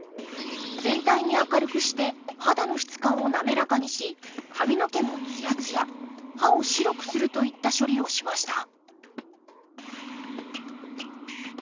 全体に明るくして肌の質感を滑らかにし髪の毛もつやつや歯を白くするといった処理をしました